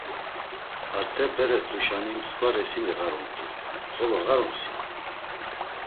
Arte bere rt̆uşani msǩva resimi ğarumt̆u. Xolo ğarumsi?